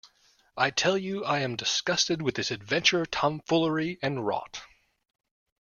I tell you I am disgusted with this adventure tomfoolery and rot.